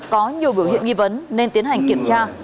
có nhiều biểu hiện nghi vấn nên tiến hành kiểm tra